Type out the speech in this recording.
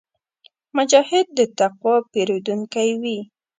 مجاهد د تقوا پېرودونکی وي.